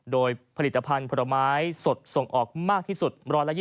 โดยผลิตภัณฑ์ผลไม้สดส่งออกมากที่สุด๑๒๐